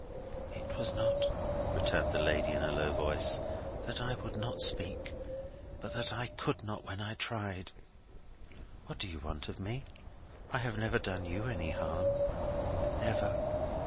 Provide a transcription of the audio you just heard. "It was not," returned the lady, in a low voice, "that I would not speak, but that I could not when I tried." "What do you want of me? I have never done you any harm?" "Never."